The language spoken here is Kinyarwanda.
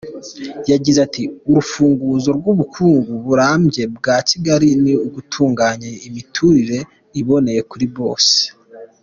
Yagize ati: “Urufunguzo rw’ubukungu burambye bwa Kigali ni ugutunganya imiturire iboneye kuri bose”.